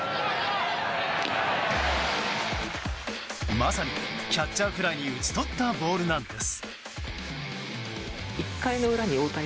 まさにキャッチャーフライに打ち取ったボールなんです。